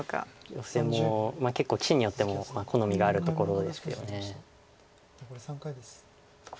ヨセも結構棋士によっても好みがあるところですよね。